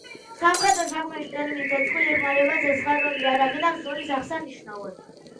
სამხედრო საქმეში ტერმინი „ცეცხლი“ იხმარება ცეცხლსასროლი იარაღიდან სროლის აღსანიშნავად.